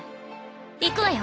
行くわよ。